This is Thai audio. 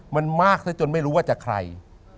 มันมากซะจนไม่รู้ว่าจะใคร